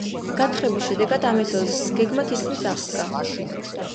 გათხრების შედეგად ამ ეზოს გეგმა თითქმის აღსდგა.